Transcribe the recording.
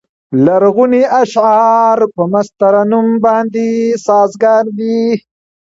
لرغوني اشعار په مست ترنم باندې سازګار دي.